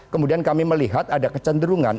kemudian kami melihat ada kecenderungan